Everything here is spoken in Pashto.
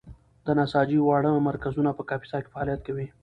د نساجۍ واړه مرکزونه په کاپیسا کې فعالیت کوي.